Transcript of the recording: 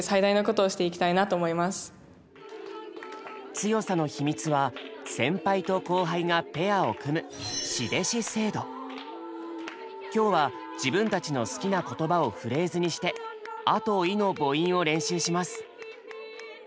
強さの秘密は先輩と後輩がペアを組む今日は自分たちの好きな言葉をフレーズにして「ア」と「イ」の母音を練習します。